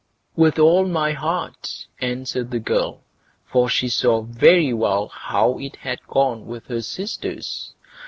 "With all my heart", answered the girl, for she saw very well how it had gone with her sisters.